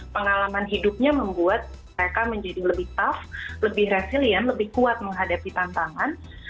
pengalaman hidupnya membuat mereka menjadi lebih tough lebih resilient lebih kuat menghadapi tantangan